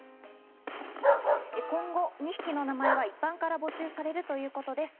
今後２匹の名前は一般から募集されるということです。